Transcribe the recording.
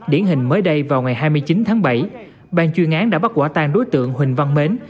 điển hình mới đây vào ngày hai mươi chín tháng bảy ban chuyên án đã bắt quả tang đối tượng huỳnh văn mến